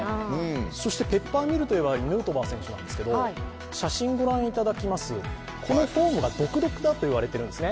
ペッパーミルといえばヌートバー選手なんですけど写真ご覧いただきます、このフォームが独特だと言われているんです。